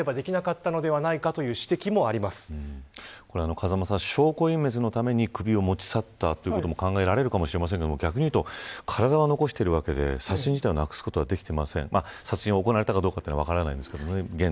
風間さん、証拠隠滅のために首を持ち去ったということも考えられるかもしれませんが逆に言うと体は残しているわけで殺人自体なくすことはできていません。